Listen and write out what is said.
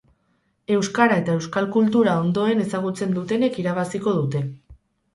Euskara eta euskal kultura ondoen ezagutzen dutenek irabaziko dute.